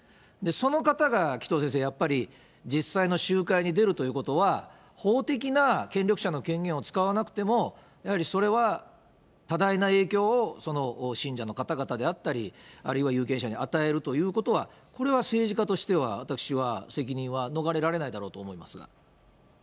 その方が紀藤先生、やっぱり実際の集会に出るということは、法的な権力者の権限を使わなくても、やはりそれは多大な影響を信者の方々であったり、あるいは有権者に与えるということは、これは政治家としては、私は責任は逃れられないだろうと思いますが。